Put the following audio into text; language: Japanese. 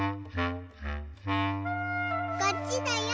こっちだよ